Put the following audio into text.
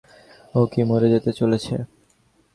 ও কি মরে যেতে চলেছে?